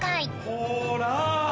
ほら！